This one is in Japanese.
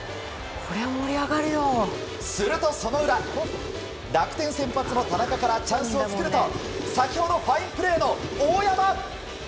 すると、その裏楽天先発の田中からチャンスを作ると先ほどファインプレーの大山。